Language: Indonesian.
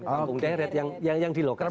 kampung deret yang di lokasi